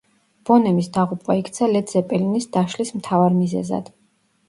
ბონემის დაღუპვა იქცა ლედ ზეპელინის დაშლის მთავარ მიზეზად.